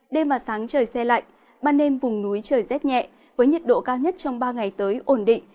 đêm và sáng trời xe lạnh ban đêm vùng núi trời rét nhẹ với nhiệt độ cao nhất trong ba ngày tới ổn định